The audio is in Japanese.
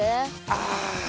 ああ。